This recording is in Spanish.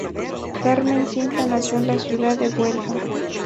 Carmen Cinta nació en la ciudad de Huelva.